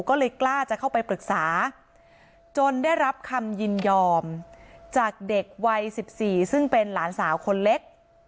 ก็เลยกล้าจะเข้าไปปรึกษาจนได้รับคำยินยอมจากเด็กวัย๑๔ซึ่งเป็นหลานสาวคนเล็ก